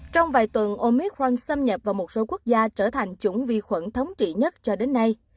trong vài tuần omic rans xâm nhập vào một số quốc gia trở thành chủng vi khuẩn thống trị nhất cho đến nay